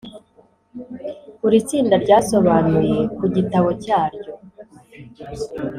buri tsinda ryasobanuye ku gitabo cyaryo.